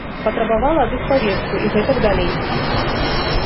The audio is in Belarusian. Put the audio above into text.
Патрабавала ад іх павестку і гэтак далей.